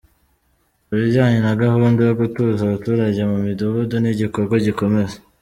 Ku bijyanye na gahunda yo gutuza abaturage mu midugudu, ni igikorwa gikomeza.